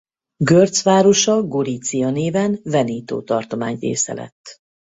Görz városa Gorizia néven Veneto tartomány része lett.